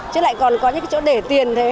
chứ lại còn có những cái chỗ để tiền thế